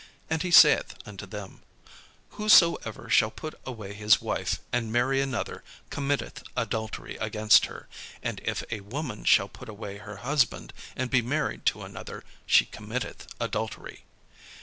And he saith unto them: "Whosoever shall put away his wife, and marry another, committeth adultery against her. And if a woman shall put away her husband, and be married to another, she committeth adultery."